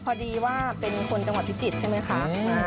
พอดีว่าเป็นคนจังหวัดพิจิตรใช่ไหมคะ